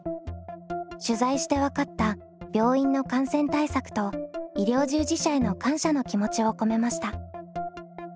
取材して分かった病院の感染対策と医療従事者への感謝の気持ちを込めました。